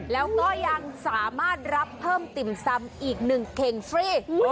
แล้วก็ยังสามารถรับเพิ่มติ่มซำอีก๑เข่งฟรี